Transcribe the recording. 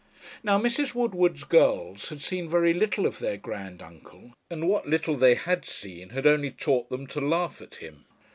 Now Mrs. Woodward's girls had seen very little of their grand uncle, and what little they had seen had only taught them to laugh at him.